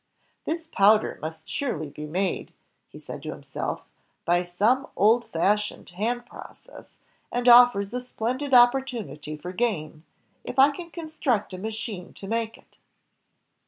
"This powder must surely be made," he said to him self, "by some old fashioned hand process, and offers a splendid opportunity for gain, if 1 can construct a machine to make it."